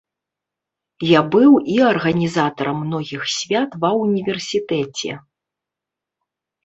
Я быў і арганізатарам многіх свят ва ўніверсітэце.